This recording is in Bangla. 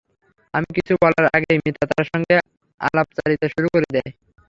আমি কিছু বলার আগেই মিতা তার সঙ্গে আলাপচারিতা শুরু করে দেয়।